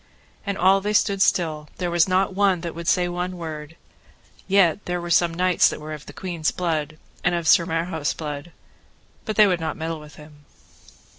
And all they stood still, there was not one that would say one word; yet were there some knights that were of the queen's blood, and of Sir Marhaus' blood, but they would not meddle with him.